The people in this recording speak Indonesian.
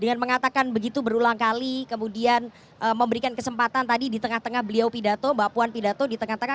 dengan mengatakan begitu berulang kali kemudian memberikan kesempatan tadi di tengah tengah beliau pidato mbak puan pidato di tengah tengah